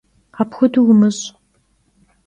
Apxuedeu vumış'!